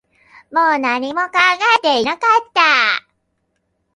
もう何も考えていなかった